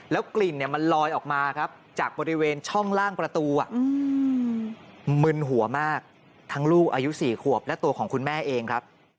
กลิ่นมันลอยออกมาครับจากบริเวณช่องล่างประตูมึนหัวมากทั้งลูกอายุ๔ขวบและตัวของคุณแม่เองครับ